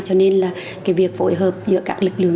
cho nên là cái việc phối hợp giữa các lực lượng